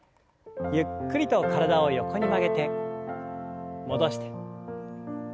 ゆっくりと体を横に曲げて戻して。